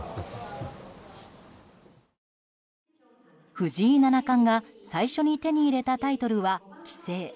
藤井七冠が最初に手に入れたタイトルは棋聖。